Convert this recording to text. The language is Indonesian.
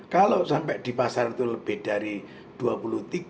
kalau sampai di pasar itu lebih dari rp dua puluh tiga